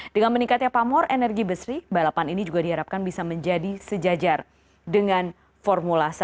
dengan meningkatnya pamor energi besri balapan ini juga diharapkan bisa menjadi sejajar dengan formula satu